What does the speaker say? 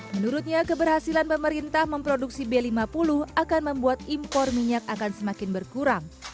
menurutnya keberhasilan pemerintah memproduksi b lima puluh akan membuat impor minyak akan semakin berkurang